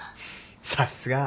さっすが。